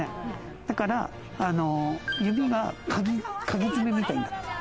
だから指が、かぎ爪みたいになってる。